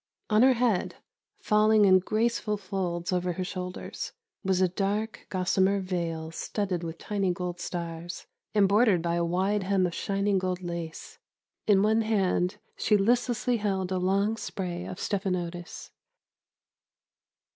On her head, falling in graceful folds over her shoulders, was a dark gossamer veil, studded with tiny gold stars, and bordered by a wide hem of shining gold lace. In one hand she listlessly held a long spray of stephanotis.